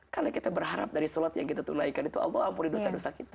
karena kita berharap dari sholat yang kita tunaikan itu allah ampuni dosa dosa kita